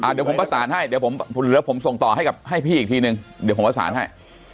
เดี๋ยวผมประสานให้เดี๋ยวผมส่งต่อให้พี่อีกทีนึงเดี๋ยวผมประสานให้